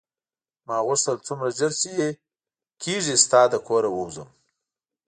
ما غوښتل څومره ژر چې کېږي ستا له کوره ووځم.